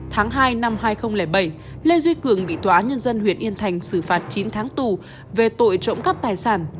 tháng hai năm hai nghìn bảy lê duy cường bị tòa án nhân dân huyện yên thành xử phạt chín tháng tù về tội trộm cắp tài sản